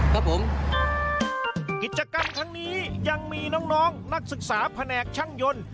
กิจกรรมครั้งนี้ยังมีน้องนักศึกษาแผนกช่างยนต์